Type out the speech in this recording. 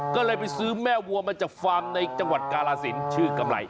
ก็เลยไปซื้อแม่วัวมาจากฟาร์มในจังหวัดกาลสินชื่อกำไร